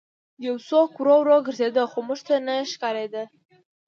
یو څوک ورو ورو ګرځېده خو موږ ته نه ښکارېده